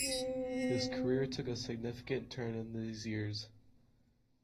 His career took a significant turn in these years.